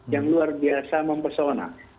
yang luar biasa mempesona